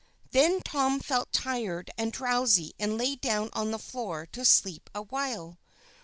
Then Tom felt tired and drowsy, and lay down on the floor to sleep awhile.